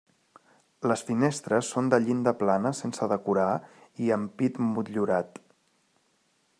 Les finestres són de llinda plana sense decorar i ampit motllurat.